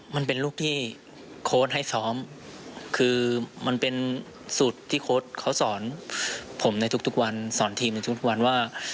มันเป็นลูกที่โค้ดให้ซ้อมคือมันเป็นสูตรที่โค้ดเขาสอนผมในทุกวันสอนทีมในทุกวันว่า